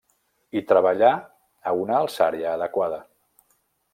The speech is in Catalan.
I treballar a una alçària adequada.